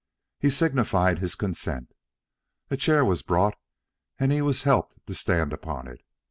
He signified his consent. A chair was brought, and he was helped to stand upon it.